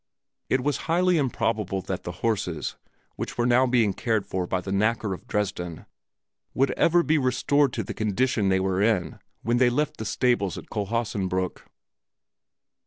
It was highly improbable that the horses, which were now being cared for by the knacker of Dresden, would ever be restored to the condition they were in when they left the stables at Kohlhaasenbrück.